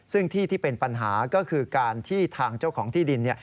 ซึ่งที่ที่เป็นปัญหาก็คือการที่ทางเจ้าของที่ดิน